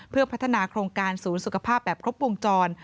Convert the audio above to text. เพื่อพัฒนาโครงการศูนย์สุขภาพแบบครบวงจร